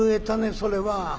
それは。